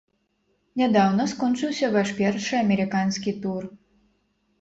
Нядаўна скончыўся ваш першы амерыканскі тур.